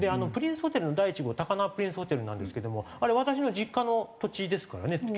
プリンスホテルの第１号高輪プリンスホテルなんですけどもあれ私の実家の土地ですからね